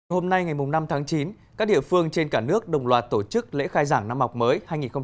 hôm nay ngày năm tháng chín các địa phương trên cả nước đồng loạt tổ chức lễ khai giảng năm học mới hai nghìn hai mươi hai nghìn hai mươi